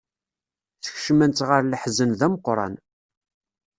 Skecmen-tt ɣer leḥzen d ameqran.